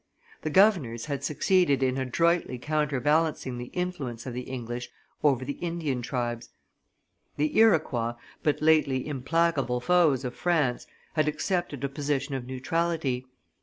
The governors had succeeded in adroitly counterbalancing the influence of the English over the Indian tribes. The Iroquois, but lately implacable foes of France, had accepted a position of neutrality.